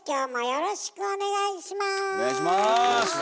よろしくお願いします！